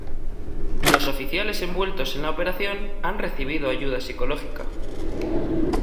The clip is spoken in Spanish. Los oficiales envueltos en la operación han recibido ayuda psicológica.